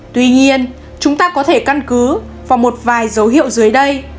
tuy nhiên chúng ta có thể căn cứ vào một vài dấu hiệu dưới đây